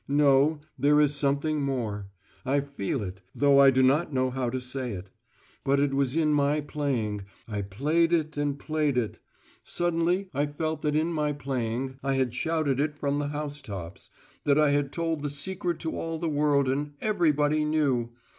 No, there is something more. ... I feel it, though I do not know how to say it. But it was in my playing I played it and played it. Suddenly I felt that in my playing I had shouted it from the housetops, that I had told the secret to all the world and everybody knew.